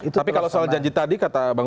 tapi kalau soal janji tadi kata bang